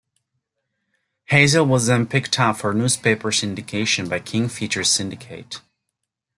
"Hazel" was then picked up for newspaper syndication by King Features Syndicate.